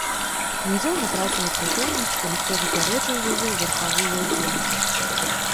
Князёўна траціла прытомнасць, калі хто выпярэджваў яе ў верхавой яздзе.